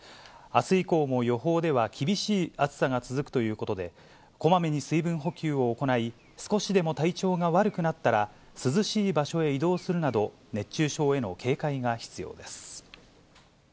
あす以降も予報では厳しい暑さが続くということで、こまめに水分補給を行い、少しでも体調が悪くなったら、涼しい場所へ移動するなど、熱中症への警戒が必要です。